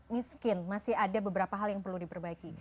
miskin masih ada beberapa hal yang perlu diperbaiki